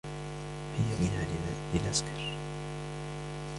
هيا بنا لنسكر.